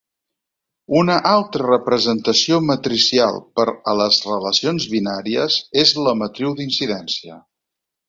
Una altra representació matricial per a les relacions binàries és la matriu d'incidència.